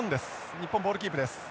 日本ボールキープです。